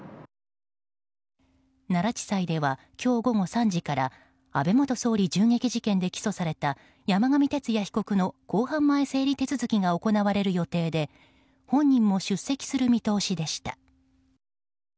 奈良地裁では今日午後３時から安倍元総理銃撃事件で起訴された山上徹也被告の公判前整理手続きが行われる予定で本人も出席する見通しでした。